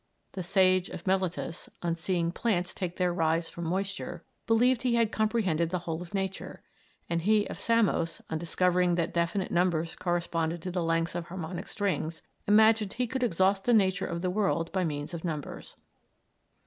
The sage of Miletus, on seeing plants take their rise from moisture, believed he had comprehended the whole of nature, and he of Samos, on discovering that definite numbers corresponded to the lengths of harmonic strings, imagined he could exhaust the nature of the world by means of numbers.